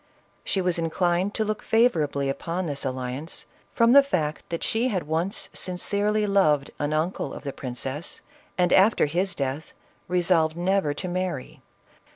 She was inclined to look favorably upon this alliance, from the fact that she had once sin cerely loved an uncle of the princess, and after his death resolved never to marry.